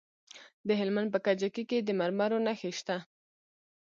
د هلمند په کجکي کې د مرمرو نښې شته.